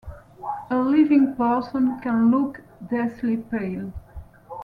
A living person can look deathly pale.